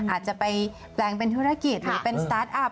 อาจจะไปแปลงเป็นธุรกิจหรือเป็นสตาร์ทอัพ